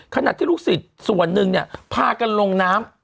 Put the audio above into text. ขณะที่ลูกศิษย์ส่วนหนึ่งเนี่ยพากันลงน้ำ